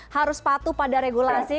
harus patuh pada regulasi